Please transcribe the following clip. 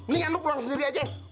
nih lo pulang sendiri aja